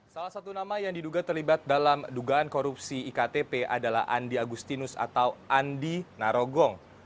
salah satu nama yang diduga terlibat dalam dugaan korupsi iktp adalah andi agustinus atau andi narogong